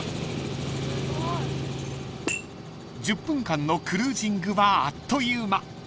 ［１０分間のクルージングはあっという間］